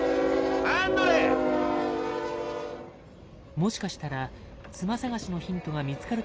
もしかしたら妻探しのヒントが見つかるかもしれない。